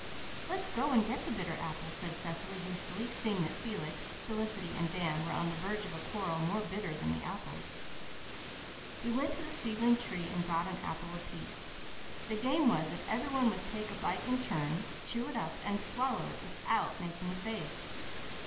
"Let's go and get the bitter apples," said Cecily hastily, seeing that Felix, Felicity and Dan were on the verge of a quarrel more bitter than the apples. We went to the seedling tree and got an apple apiece. The game was that every one must take a bite in turn, chew it up, and swallow it, without making a face.